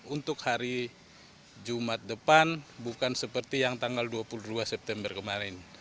untuk hari jumat depan bukan seperti yang tanggal dua puluh dua september kemarin